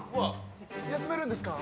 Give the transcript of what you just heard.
休めるんですか？